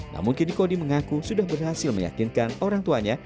namun kini kodi mengaku sudah berhasil meyakinkan orang tuanya